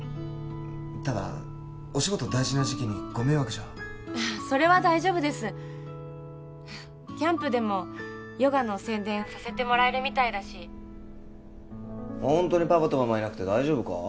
ただお仕事大事な時期にご迷惑じゃそれは大丈夫ですキャンプでもヨガの宣伝させてもらえるみたいだしホントにパパとママいなくて大丈夫か？